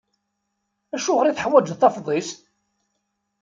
Acuɣer i teḥwaǧeḍ tafḍist?